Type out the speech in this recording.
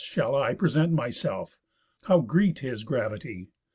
shall I Present myself? How greet his gravity?